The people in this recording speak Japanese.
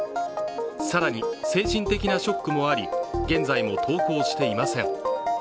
更に精神的なショックもあり現在も登校していません。